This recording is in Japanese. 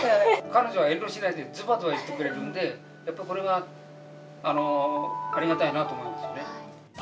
彼女は遠慮しないでずばずば言ってくれるんで、やっぱりこれが、ありがたいなと思いますよね。